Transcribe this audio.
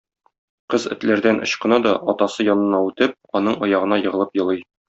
Кыз этләрдән ычкына да, атасы янына үтеп, аның аягына егылып елый.